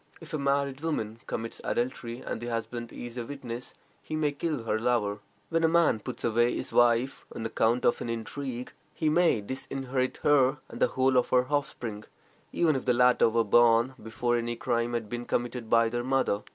If a married woman commits adultery, and the husband is a witness, he may kill her lover. When a man puts away his wife on account of an intrigue, he may disinherit her and the whole of her offspring, even if the latter were born before any crime had been committed by their mother.